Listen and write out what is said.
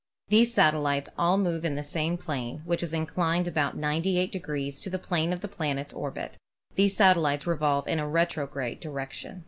These satel lites all move in the same plane, which is inclined about 98 to the plane of the planet's orbit. The satellites re volve in a retrograde direction.